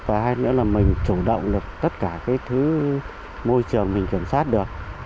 và hai nữa là mình chủ động được tất cả cái thứ môi trường mình kiểm soát được